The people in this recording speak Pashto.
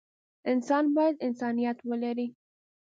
انسان بايد انسانيت ولري.